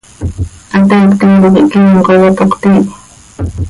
¿Hateiictim tiquih quíncoya, toc cötiih?